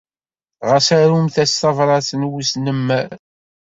Ɣas arumt-as tabṛat n wesnemmer.